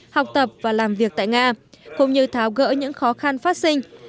học tập và làm việc tại nga cũng như tháo gỡ những khó khăn phát sinh